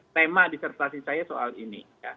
tema disertasi saya soal ini